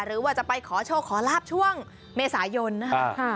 หรือว่าจะไปขอโชคขอลาบช่วงเมษายนนะครับ